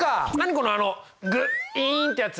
このあのグッインてやつ。